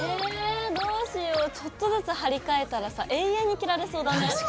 ええどうしようちょっとずつ貼り替えたらさ永遠に着られそうだね。